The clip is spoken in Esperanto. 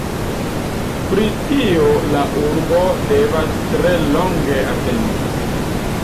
Pri tio la urbo devas tre longe atendi.